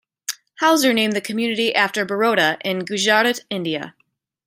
Houser named the community after Baroda in Gujarat, India.